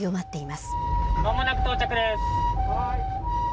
まもなく到着です。